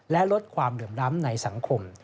และลดความเหลื่อมล้ำในสังคม